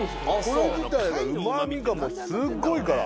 これ自体がうまみがすごいから。